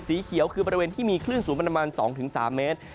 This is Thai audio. สีเขียวคือบริเวณที่มีคลื่นสูงประมาณ๒๓เมตร